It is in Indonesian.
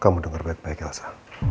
kamu denger baik baik elsa